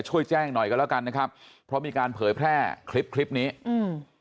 ช่วยแจ้งหน่อยกันแล้วกันนะครับเพราะมีการเผยแพร่คลิปคลิปนี้อืม